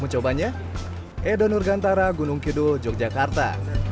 mencobanya edo nurgantara gunung kidul yogyakarta